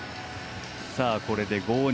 これで５−２。